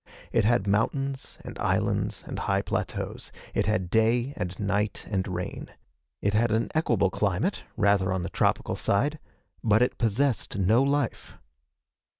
It had mountains and islands and high plateaus. It had day and night and rain. It had an equable climate, rather on the tropical side. But it possessed no life.